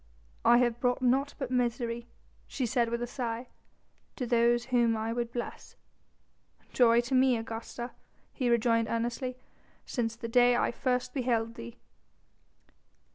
"I have brought naught but misery," she said with a sigh, "to those whom I would bless." "Joy to me, Augusta," he rejoined earnestly, "since the day I first beheld thee."